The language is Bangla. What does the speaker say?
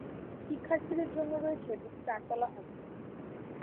শিক্ষার্থীদের জন্য রয়েছে দুটি চারতলা হোস্টেল।